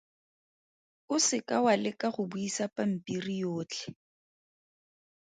O se ka wa leka go buisa pampiri yotlhe.